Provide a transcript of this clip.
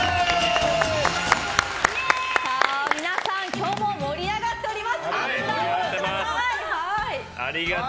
皆さん今日も盛り上がっております！